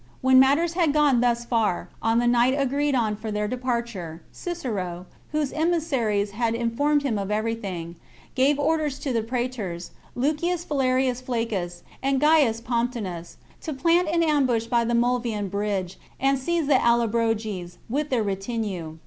When matters had gone thus far, on the night agreed chap. on for their departure, Cicero, whose emissaries had informed him of everything, gave orders to the prae tors, Lucius Valerius Flaccus, and Gaius Pomptinus,— to plant an ambush by the Mulvian bridge, and seize the AUobroges, with their retinue.